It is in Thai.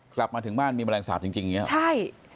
กลับมาถึงบ้านมีแมลงสาปจริงอย่างนี้ใช่